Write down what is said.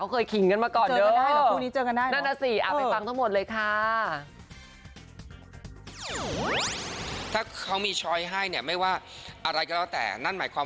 เขาเคยขิงกันมาก่อน